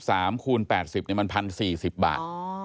ถ้า๑๓คูณ๘๐มัน๑๐๔๐บาท